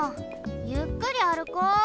ゆっくりあるこう。